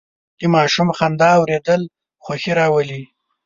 د ماشوم خندا اورېدل خوښي راولي.